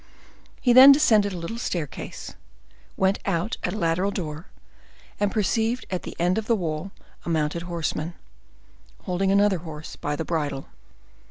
He then descended the little staircase, went out at a lateral door, and perceived at the end of the wall a mounted horseman, holding another horse by the bridle.